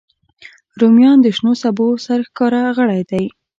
رومیان د شنو سبو سرښکاره غړی دی